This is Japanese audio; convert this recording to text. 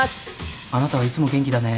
あなたはいつも元気だね。